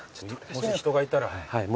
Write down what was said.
もし人がいたら。